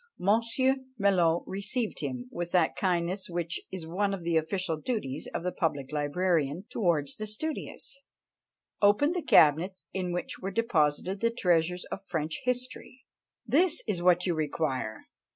Monsieur Melot receiving him with that kindness which is one of the official duties of the public librarian towards the studious, opened the cabinets in which were deposited the treasures of French history. "This is what you require!